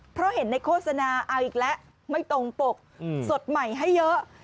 เพราะเห็นในโฆษณาเอาอีกแล้วไม่ตรงปกสดใหม่ให้เยอะ